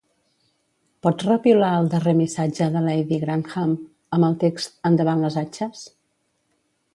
Pots repiular el darrer missatge de Lady Grantham amb el text “endavant les atxes”?